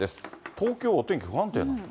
東京、お天気不安定なんだ。